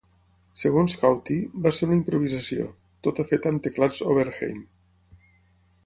Segons Cauty, va ser una improvisació, tota feta amb teclats Oberheim.